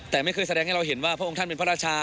แต่ไม่เคยแสดงให้เราเห็นว่าพระองค์ท่านเป็นพระราชา